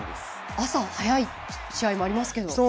朝、早い試合もありますが。